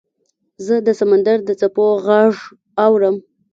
زه د سمندر د څپو غږ اورم .